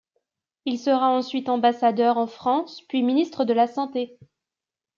Il sera ensuite Ambassadeur en France puis ministre de la santé.